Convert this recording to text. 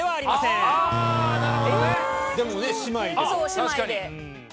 確かにね。